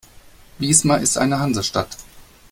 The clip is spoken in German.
Wismar ist eine Hansestadt.